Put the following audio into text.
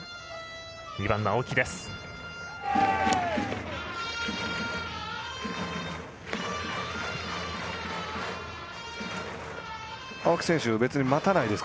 ２番の青木です。